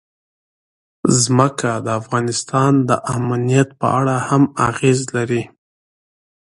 ځمکه د افغانستان د امنیت په اړه هم اغېز لري.